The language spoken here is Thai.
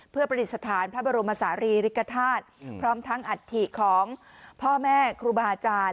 เพื่อประดิษฐานพระบรมศาลีริกฐาตุพร้อมทั้งอัฐิของพ่อแม่ครูบาอาจารย์